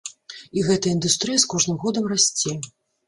І гэтая індустрыя з кожным годам расце.